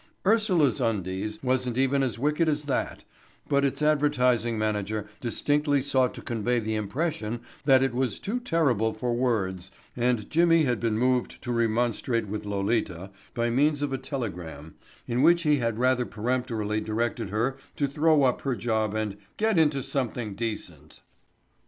"Ursula's Undies" wasn't even as wicked as that, but its advertising manager distinctly sought to convey the impression that it was too terrible for words and Jimmy had been moved to remonstrate with Lolita by means of a telegram in which he had rather peremptorily directed her to throw up her job and "get into something decent."